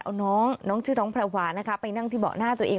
เอาน้องน้องชื่อน้องแพรวานะคะไปนั่งที่เบาะหน้าตัวเอง